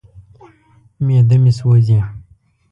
معده مې سوځي.